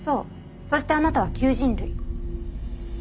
そしてあなたは旧人類。